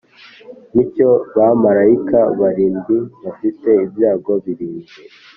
ni cyo bamarayika barindwi bafite ibyago birindwi,